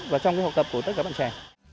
và trong cái học tập của tất cả các bạn trẻ